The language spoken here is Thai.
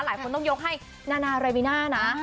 หลายคนต้องยกให้นานารายบิน่านะ